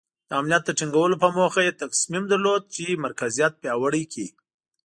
د امنیت د ټینګولو په موخه یې تصمیم درلود چې مرکزیت پیاوړی کړي.